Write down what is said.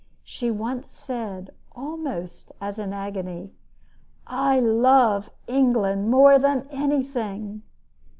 She once said, almost as in an agony: "I love England more than anything!"